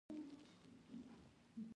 هایپوفیز یا نخامیه د اندوکراین یوه غده ده.